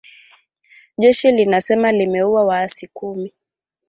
Jeshi linasema limeua waasi kumi